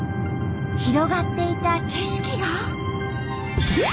広がっていた景色が。